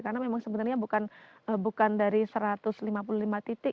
karena memang sebenarnya bukan dari satu ratus lima puluh lima titik